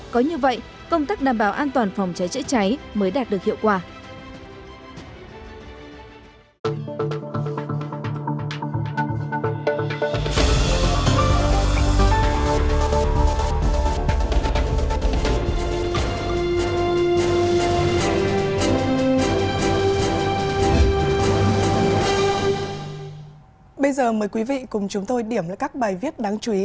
có như vậy công tác đảm bảo an toàn phòng cháy chữa cháy mới đạt được hiệu quả